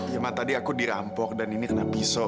ya mah tadi aku dirampok dan ini kena pisau